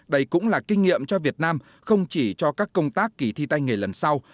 đây cũng là kinh nghiệm cho việt nam không chỉ cho các công tác kỳ thi tay nghề lần sau